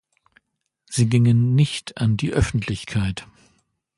Sie gingen nicht an die Öffentlichkeit.